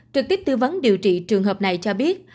trực tiếp tư vấn điều trị trường hợp này cho biết